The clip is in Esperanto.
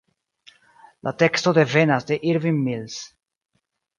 La teksto devenas de Irving Mills.